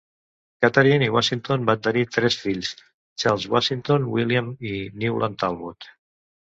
Katharine i Washington van tenir tres fills: Charles Washington, William i Newland Talbot.